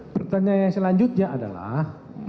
pertanyaan yang selanjutnya adalah